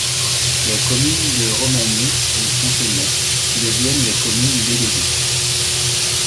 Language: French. Les communes de Romagny et Fontenay deviennent des communes déléguées.